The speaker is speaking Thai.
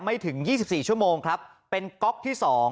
ไม่ถึง๒๔ชั่วโมงครับเป็นก๊อกที่๒